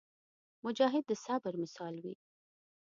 مجاهد د صبر مثال وي.